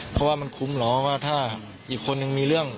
เพราะว่ามันคุ้มเหรอว่าถ้าอีกคนนึงมีเรื่อง